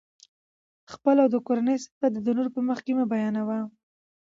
خپل او د کورنۍ صفت دي د نورو په مخکي مه بیانوئ!